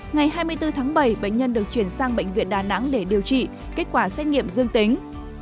ngày hai mươi bốn tháng bảy bệnh nhân được chuyển sang bệnh viện đà nẵng để điều trị kết quả xét nghiệm dương tính